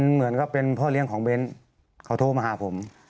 เหมือนกับเป็นพ่อเลี้ยงของเบ้นเขาโทรมาหาผม